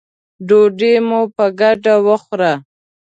ډوډۍ مو په ګډه وخوړه.